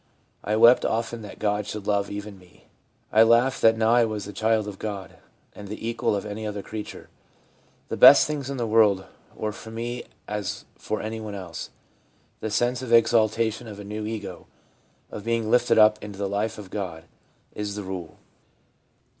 I wept often that God should love even me. I laughed that now I was the child of God, and the equal of any other creature. The best things in the world were for me as well as for anyone else/ This sense of exaltation, of a new ego, of being lifted up into the life of God, is the rule.